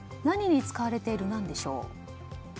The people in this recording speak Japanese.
何に使われている何でしょう。